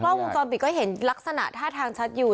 ลวงจรปิดก็เห็นลักษณะท่าทางชัดอยู่